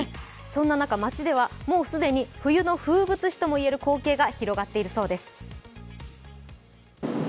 そんな中、街ではもう既に冬の風物詩ともいわれる光景が広がっているそうです。